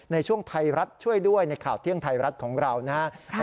ในช่วงไทยรัฐช่วยด้วยในข่าวเที่ยงไทยรัฐของเรานะครับ